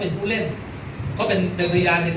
เป็นเกี่ยวของการทางรันไหม